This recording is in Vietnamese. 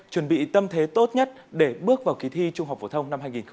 chuẩn bị tâm thế tốt nhất để bước vào kỷ thi trung học phổ thông